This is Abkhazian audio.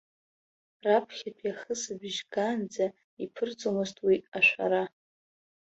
Раԥхьатәи ахысыбжь гаанӡа иԥырҵуамызт уи ашәара.